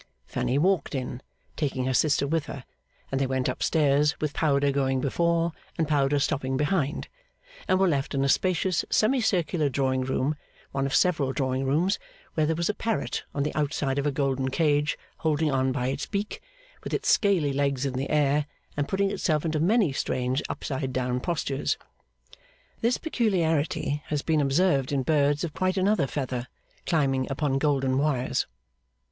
Fanny walked in, taking her sister with her; and they went up stairs with powder going before and powder stopping behind, and were left in a spacious semicircular drawing room, one of several drawing rooms, where there was a parrot on the outside of a golden cage holding on by its beak, with its scaly legs in the air, and putting itself into many strange upside down postures. This peculiarity has been observed in birds of quite another feather, climbing upon golden wires.